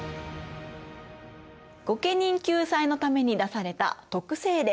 御家人救済のために出された徳政令。